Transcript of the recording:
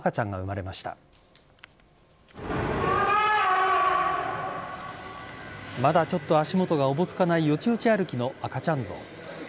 まだちょっと足元がおぼつかないよちよち歩きの赤ちゃんゾウ。